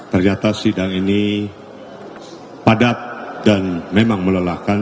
ternyata sidang ini padat dan memang melelahkan